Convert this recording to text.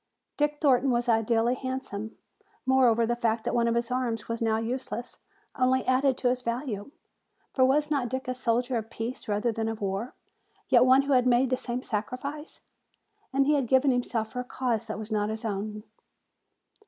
Dick Thornton was ideally handsome; moreover, the fact that one of his arms was now useless only added to his value. For was not Dick a soldier of peace rather than of war, yet one who had made the same sacrifice? And he had given himself for a cause that was not his own.